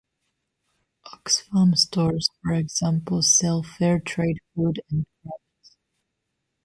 Oxfam stores, for example, sell fair trade food and crafts.